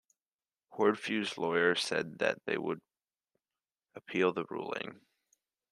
Hortefeux' lawyer said that they would appeal the ruling.